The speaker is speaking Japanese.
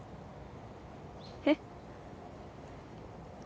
えっ。